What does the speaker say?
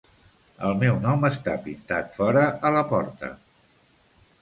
El meu nom està pintat fora, a la porta.